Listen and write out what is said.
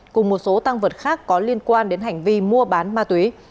cùng một số tăng vật khác có liên quan đến hành vi mua bán ma túy